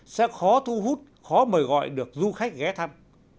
sẽ khó thu hút khó mời gọi được du khách ghé thăm